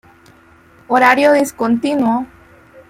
Horario discontinuo.